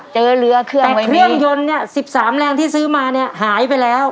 เจอเรือเครื่องไว้นี้แต่เครื่องยนต์เนี้ยสิบสามแมลงที่ซื้อมาเนี้ยหายไปแล้ว